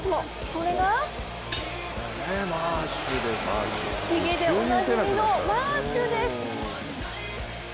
それが、ひげでおなじみのマーシュです。